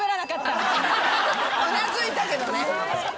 うなずいたけどね。